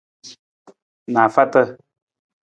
Naafaata.